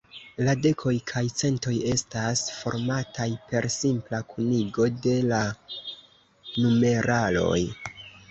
La dekoj kaj centoj estas formataj per simpla kunigo de la numeraloj.